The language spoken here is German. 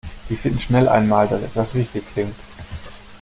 Die finden schnell einmal, dass etwas richtig klingt.